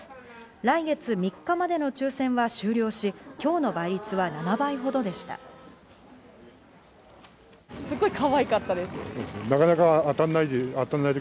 来月３日までの抽選は終了し、今日の倍率は７倍ほどでした。